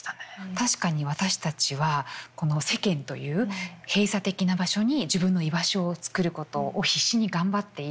確かに私たちはこの世間という閉鎖的な場所に自分の居場所を作ることを必死に頑張っている。